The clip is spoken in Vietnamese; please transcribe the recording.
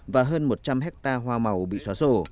và hơn một trăm linh hectare hoa màu bị xóa sổ